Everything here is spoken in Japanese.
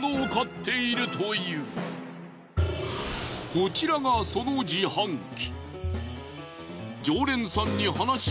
こちらがその自販機。